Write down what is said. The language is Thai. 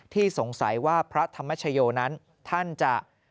สงสัยว่าพระธรรมชโยนั้นท่านจะ